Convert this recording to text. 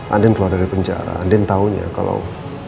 andin keluar dari penjara andin taunya kalau